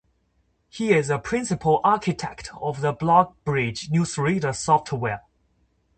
He is a principal architect of the BlogBridge Newsreader software.